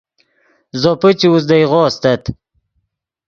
زوپے چے اوزدئیغو استت